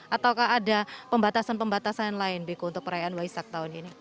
ataukah ada pembatasan pembatasan lain biku untuk perayaan waisak tahun ini